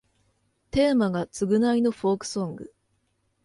テーマが償いのフォークソング